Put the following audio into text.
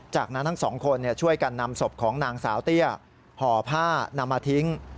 จากนั้นทั้งสองคนช่วยกันนำศพของนางสาวเตี้ยห่อผ้านำมาทิ้ง